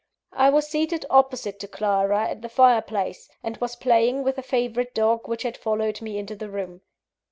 I was seated opposite to Clara, at the fire place, and was playing with a favourite dog which had followed me into the room.